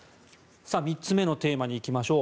３つ目のテーマに行きましょう。